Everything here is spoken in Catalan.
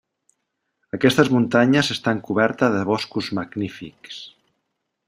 Aquestes muntanyes estan cobertes de boscos magnífics.